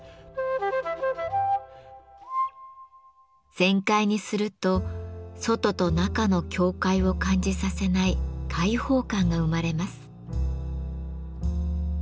全開にすると外と中の境界を感じさせない開放感が生まれます。